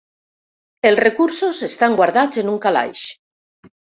Els recursos estan guardats en un calaix.